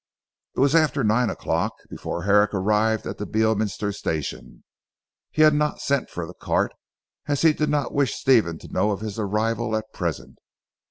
It was after nine o'clock before Herrick arrived at the Beorminster Station. He had not sent for the cart, as he did not wish Stephen to know of his arrival at present.